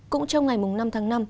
cũng trong ngày năm tháng năm